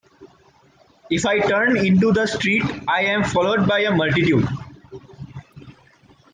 If I turn into the street, I am followed by a multitude.